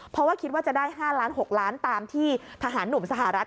เพราะว่าคิดว่าจะได้๕ล้าน๖ล้านตามที่ทหารหนุ่มสหรัฐ